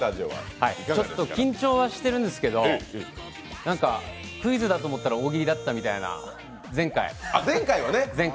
ちょっと緊張はしてるんですけど、クイズだと思ったら大喜利だったみたいな、前回。